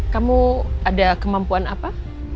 kamu ada kemampuan apa